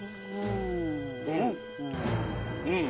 うん！